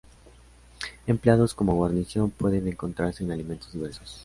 Empleados como guarnición pueden encontrarse en alimentos diversos.